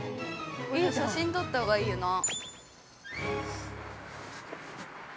◆写真撮ったほうがいいよな。